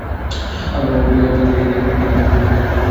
আমরাও এমন একটি অ্যাপ খুঁজছি, যেটি দিয়ে বিশ্বকে তাক লাগিয়ে দেওয়া যাবে।